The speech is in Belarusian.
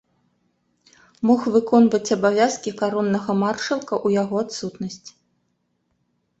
Мог выконваць абавязкі кароннага маршалка ў яго адсутнасць.